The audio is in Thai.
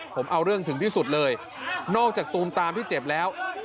ผมเอาเรื่องถึงที่สุดเลยนอกจากตูมตามที่เจ็บแล้ว